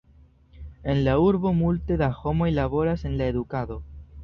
En la urbo multe da homoj laboras en la edukado.